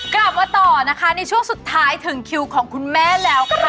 กลับมาต่อนะคะในช่วงสุดท้ายถึงคิวของคุณแม่แล้วค่ะ